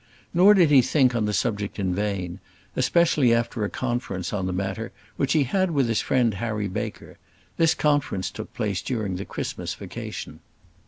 Nor did he think on the subject in vain; especially after a conference on the matter which he had with his friend Harry Baker. This conference took place during the Christmas vacation.